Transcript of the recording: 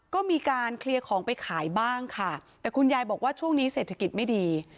ก็มีการเคลียร์ของไปขายบ้างค่ะแต่คุณยายบอกว่าช่วงนี้เศรษฐกิจไม่ดี